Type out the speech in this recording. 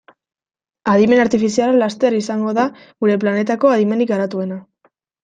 Adimen artifiziala laster izango da gure planetako adimenik garatuena.